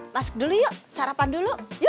masuk dulu yuk sarapan dulu